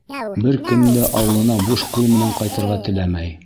Бер кем дә ауылына буш ҡул менән ҡайтырға теләмәй.